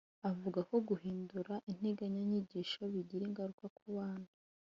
avuga ko guhindagura integanyanyigisho bigira ingaruka ku bana